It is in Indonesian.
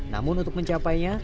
namun untuk mencapainya